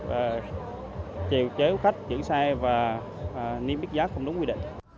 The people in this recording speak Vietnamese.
là trèo chế khách chữ xe và niêm biết giá không đúng quy định